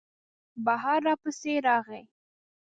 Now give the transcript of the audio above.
بهر را پسې راغی.